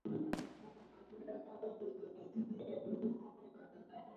Barabara ni refu sana.